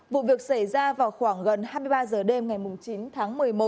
vụ việc xảy ra vào khoảng gần hai mươi ba h đêm ngày chín tháng một mươi một